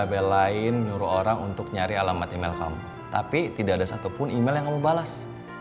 belain nyuruh orang untuk nyari alamat email kamu tapi tidak ada satupun email yang kamu balas